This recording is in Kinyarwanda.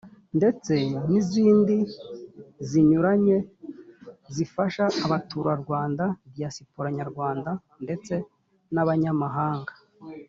ndetse n izindi zinyuranye zifasha abaturarwanda diyaspora nyarwanda ndetse n abanyamahanga